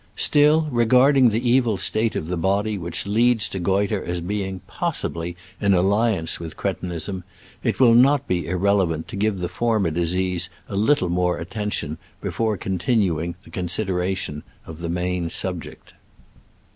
Still, re garding the evil state of body which leads to goitre as being, possibly, in alliance with cretinism, it will not be irrelevant to give the former disease a litde more attention before continuing the consideration of the main subject.